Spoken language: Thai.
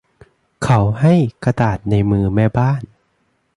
เขาให้กระดาษในมือแม่บ้าน